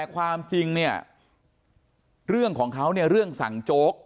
ความจริงเนี่ยเรื่องของเขาเนี่ยเรื่องสั่งโจ๊ก